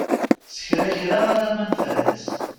S kra kra alamma nefra-tt.